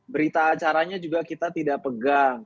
berita acaranya juga kita tidak pegang